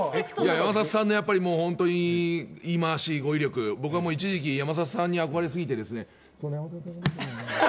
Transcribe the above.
山里さんには本当に言い回し、語彙力とか一時期、山里さんに憧れすぎてですね。